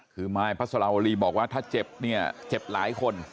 คือมายพระสลาวรีบอกว่าถ้าเจ็บเนี่ยเจ็บหลายคน